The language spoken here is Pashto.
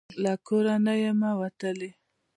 له کور نه یمه وتلې